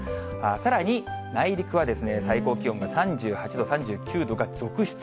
さらに、内陸は最高気温が３８度、３９度が続出。